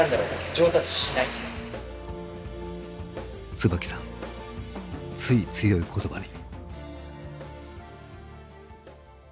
椿さんつい強い言葉に。